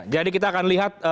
jadi kita akan lihat